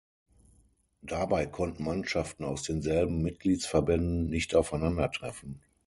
Dabei konnten Mannschaften aus denselben Mitgliedsverbänden nicht aufeinander treffen.